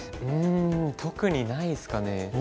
うん特にないですかね。